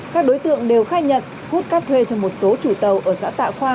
các đối tượng đều khai nhận hút cát thuê cho một số chủ tàu ở xã tạ khoa